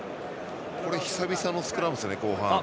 久々のスクラムですね。